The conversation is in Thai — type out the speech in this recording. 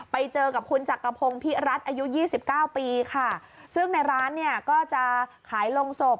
ไปเจอกับคุณจักรพงศ์พิรัฐอายุยี่สิบเก้าปีค่ะซึ่งในร้านเนี่ยก็จะขายลงศพ